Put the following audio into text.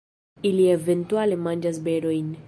Ili eventuale manĝas berojn.